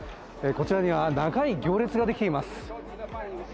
こちらには長い行列ができています。